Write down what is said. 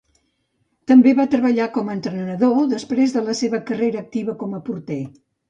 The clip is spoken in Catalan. També va treballar com a entrenador després de la seva carrera activa com a porter.